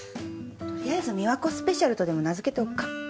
とりあえず「美和子スペシャル」とでも名づけておくか。